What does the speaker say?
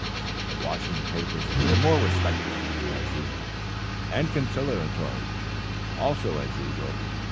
The Washington papers were more respectful, as usual and conciliatory, also, as usual.